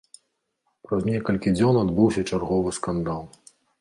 Праз некалькі дзён адбыўся чарговы скандал.